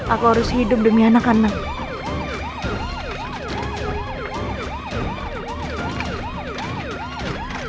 aku harus hidup demi anak anak